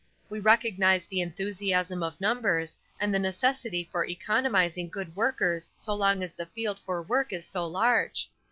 We recognize the enthusiasm of numbers and the necessity for economizing good workers so long as the field for work is so large.